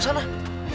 mana munduran di aduk